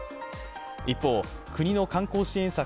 一方、国の観光支援策